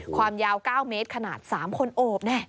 ความยาว๙เมตรขนาด๓คนโอบแน่